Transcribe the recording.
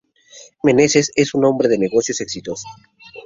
Menezes es un hombre de negocios exitoso.